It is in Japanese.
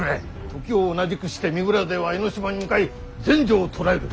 時を同じくして三浦勢は江ノ島に向かい全成を捕らえる。